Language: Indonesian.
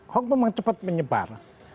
hock memang cepat menyebar